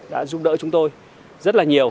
đã giúp đỡ chúng tôi rất là nhiều